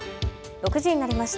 ６時になりました。